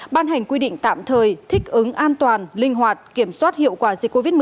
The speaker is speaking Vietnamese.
ban hành quy định tạm thời thích ứng an toàn linh hoạt kiểm soát hiệu quả dịch covid một mươi